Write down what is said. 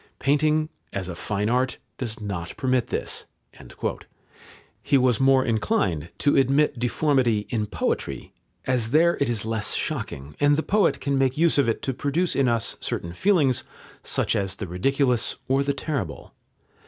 Painting, as a fine art, does not permit this." He was more inclined to admit deformity in poetry, as there it is less shocking, and the poet can make use of it to produce in us certain feelings, such as the ridiculous or the terrible.